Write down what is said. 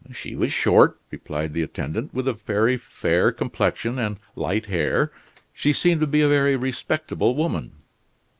"She was short," replied the attendant, "with a very fair complexion and light hair; she seemed to be a very respectable woman."